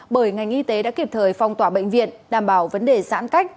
bởi ngành y tế đã kịp thời phong tỏa bệnh viện đảm bảo vấn đề giãn cách